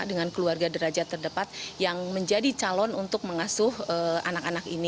dengan keluarga derajat terdepat yang menjadi calon untuk mengasuh anak anak ini